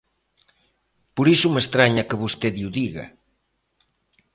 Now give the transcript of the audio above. Por iso me estraña que vostede o diga.